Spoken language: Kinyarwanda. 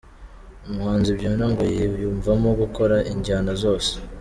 Umuhanzi Byonna ngo yiyumvamo gukora injyana zose.